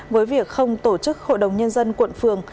với việc không tổ chức hội đồng nhân dân quận phường